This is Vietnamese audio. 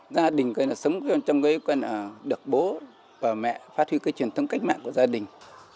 gia đình cây nó sống trong cái ý quen được bố và mẹ phát huy cái truyền thống cách mạng của gia đình